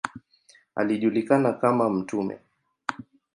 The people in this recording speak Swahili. Alijulikana kama ""Mt.